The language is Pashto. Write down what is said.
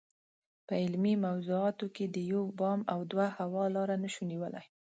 په علمي موضوعاتو کې د یو بام او دوه هوا لاره نشو نیولای.